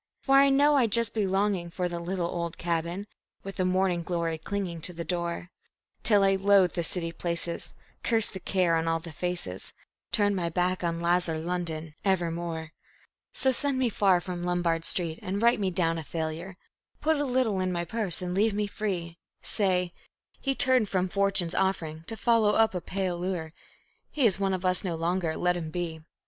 For I know I'd just be longing for the little old log cabin, With the morning glory clinging to the door, Till I loathed the city places, cursed the care on all the faces, Turned my back on lazar London evermore. So send me far from Lombard Street, and write me down a failure; Put a little in my purse and leave me free. Say: "He turned from Fortune's offering to follow up a pale lure, He is one of us no longer let him be."